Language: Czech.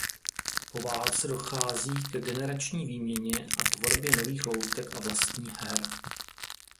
Po válce dochází ke generační výměně a tvorbě nových loutek a vlastních her.